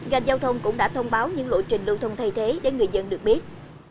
ngành giao thông cũng đã thông báo những lộ trình lưu thông thay thế để người dân được biết